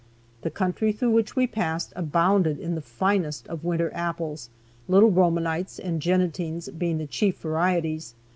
The country through which we passed abounded in the finest of winter apples, Little Romanites and Jennetings being the chief varieties.